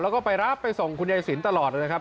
แล้วก็ไปรับไปส่งคุณยายสินตลอดนะครับ